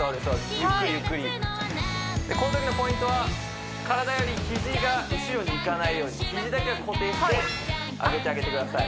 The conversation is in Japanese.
ゆっくりゆっくりこのときのポイントは体より肘が後ろにいかないように肘だけは固定して上げてあげてください